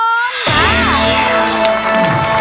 เย้